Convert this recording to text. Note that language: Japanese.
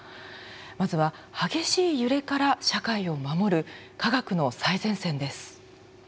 まずは激しい揺れから社会を守る科学の最前線です。